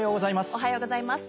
おはようございます。